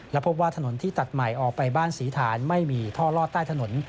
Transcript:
และพบว่าถนนที่ตัดใหม่ออกไปบ้านศรีฐานไม่มีท่อลอดใต้ถนน